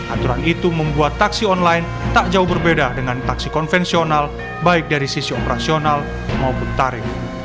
aturan itu membuat taksi online tak jauh berbeda dengan taksi konvensional baik dari sisi operasional maupun tarif